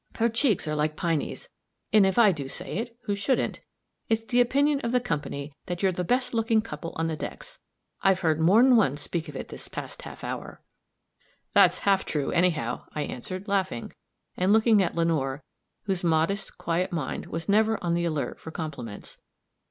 Her cheeks are like pinies, and, if I do say it, who shouldn't, it's the opinion of the company that you're the best lookin' couple on the decks. I've heard more'n one speak of it this past half hour." "That's half true, anyhow," I answered, laughing, and looking at Lenore, whose modest, quiet mind was never on the alert for compliments.